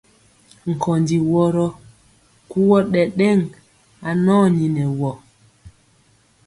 Kondi wɔgɔ, kuwɔ ɗɛɗɛŋ anɔni nɛ wɔ.